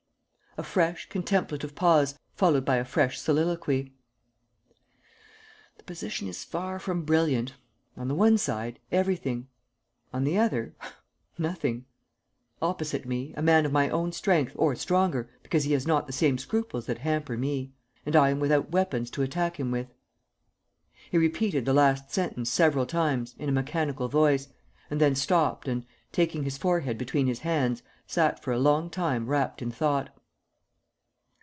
A fresh contemplative pause, followed by a fresh soliloquy: "The position is far from brilliant. On the one side, everything; on the other, nothing. Opposite me, a man of my own strength, or stronger, because he has not the same scruples that hamper me. And I am without weapons to attack him with." He repeated the last sentence several times, in a mechanical voice, and then stopped and, taking his forehead between his hands, sat for a long time wrapped in thought.